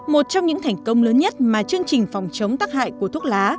một trong những thành công lớn nhất mà chương trình phòng chống tắc hại của thuốc lá